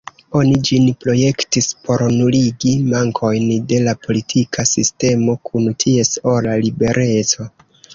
Oni ĝin projektis por nuligi mankojn de la politika sistemo kun ties ora libereco.